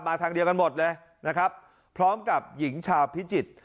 ทางเดียวกันหมดเลยนะครับพร้อมกับหญิงชาวพิจิตร